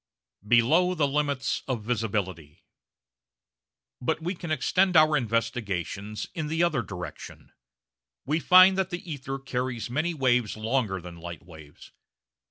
Below the Limits of Visibility But we can extend our investigations in the other direction; we find that the ether carries many waves longer than light waves.